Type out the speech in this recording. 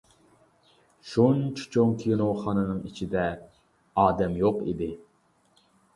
شۇنچە چوڭ كىنوخانىنىڭ ئىچىدە ئادەم يوق ئىدى.